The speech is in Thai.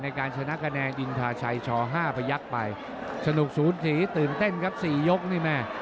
ในการชนะคะแนนอินทาชัยช๕พยักษ์ไปสนุกศูนย์สีตื่นเต้นครับสี่ยกนี่แม่